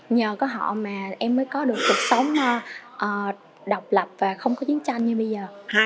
nhờ có họ mà em mới có được cuộc sống độc lập và không có chiến tranh như bây giờ